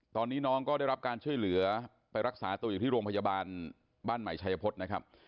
ตอนนี้น้องก็ได้รับการช่วยเหลือไปรักษาตัวอยู่ที่โรงพยาบาลบ้านใหม่ชัยพฤษนะครับ